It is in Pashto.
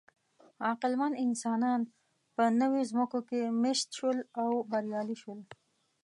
عقلمن انسانان په نوې ځمکو کې مېشت شول او بریالي شول.